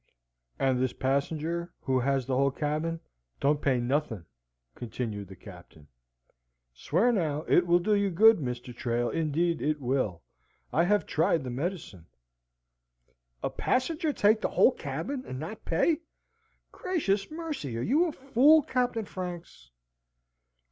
"And this passenger, who has the whole cabin, don't pay nothin'," continued the Captain. "Swear now, it will do you good, Mr. Trail, indeed it will. I have tried the medicine." "A passenger take the whole cabin and not pay? Gracious mercy, are you a fool, Captain Franks?"